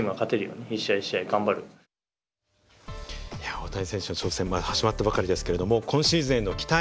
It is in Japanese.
大谷選手の挑戦はまだ始まったばかりですけれども今シーズンへの期待